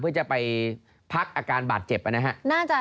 เพื่อจะไปพักอาการบาดเจ็บนะฮะ